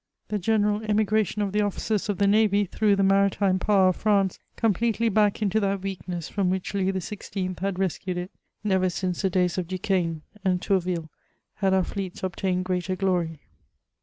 The general emigration of the officers of the navy threw the maritime power of France completely back into that weakness from which Louis XYI. had rescued it. Never since the days of Duquesne and Tourville had our fleets obtained greater glory.